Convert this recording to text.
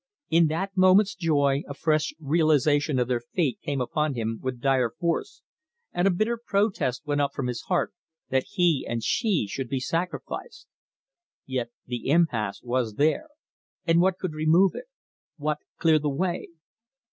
In that moment's joy a fresh realisation of their fate came upon him with dire force, and a bitter protest went up from his heart, that he and she should be sacrificed. Yet the impasse was there, and what could remove it what clear the way?